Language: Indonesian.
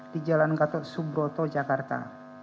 di jalan gatot subroto jakarta